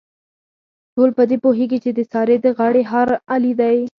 ټول په دې پوهېږي، چې د سارې د غاړې هار علي دی.